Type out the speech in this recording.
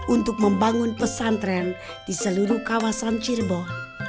untuk membangun pesantren di seluruh kawasan cirebon